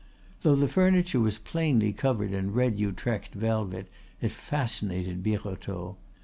Though the furniture was plainly covered in red Utrecht velvet, it fascinated Birotteau.